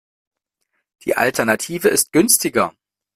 Die Alternative ist günstiger.